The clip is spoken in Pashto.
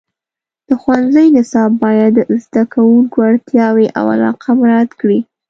د ښوونځي نصاب باید د زده کوونکو اړتیاوې او علاقه مراعات کړي.